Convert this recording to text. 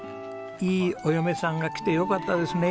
いいお嫁さんが来てよかったですね。